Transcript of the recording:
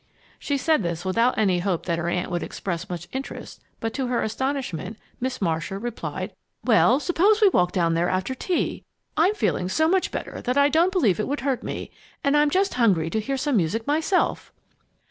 She said this without any hope that her aunt would express much interest; but to her astonishment, Miss Marcia replied: "Well, suppose we walk down there after tea. I'm feeling so much better that I don't believe it would hurt me, and I'm just hungry to hear some music myself!"